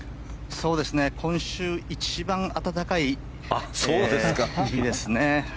今週一番暖かい日ですね。